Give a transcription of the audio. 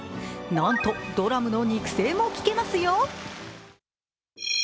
なんとドラムの肉声も聞けますよ。